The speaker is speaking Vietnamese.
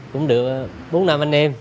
cũng được bốn năm anh em